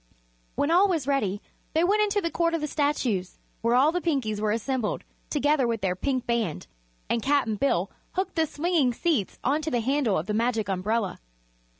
When all was ready they went into the Court of the Statues, where all the Pinkies were assembled together with their Pink Band and Cap'n Bill hooked the swinging seats onto the handle of the Magic Umbrella.